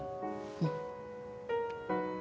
うん。